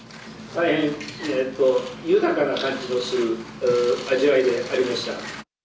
大変豊かな感じのする味わいでありました。